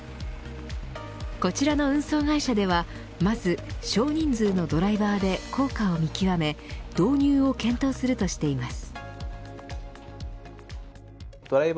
こちらの運送会社では、まず少人数のドライバーで効果を見極め導入を検討するとしています。